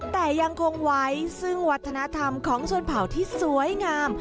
แต่ยังคงไว้ซึ่งวัฒนธรรมของชนเผ่าที่สวยงาม